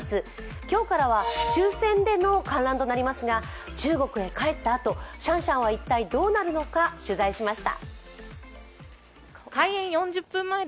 今日からは抽選での観覧となりますが中国へ帰ったあと、シャンシャンは一体どうなるのか取材しました。